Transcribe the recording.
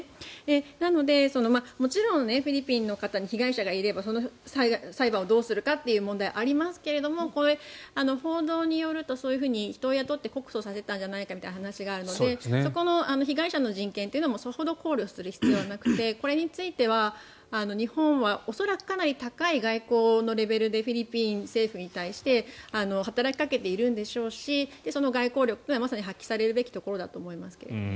なので、もちろんフィリピンの方に被害者がいればその裁判をどうするかという問題はありますが報道によるとそういうふうに人を雇って告訴させたんじゃないかというのがあるのでそこの被害者の人権もさほど考慮する必要はなくてこれについては日本は恐らくかなり高い外交のレベルでフィリピン政府に対して働きかけているんでしょうしその外交力が発揮されるべきところだと思います。